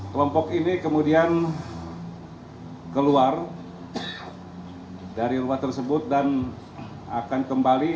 kelompok ini kemudian keluar dari rumah tersebut dan akan kembali